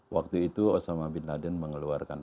waktu itu osama bin nadiem mengeluarkan